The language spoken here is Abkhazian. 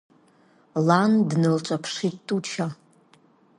Лан днылҿаԥшит Туча.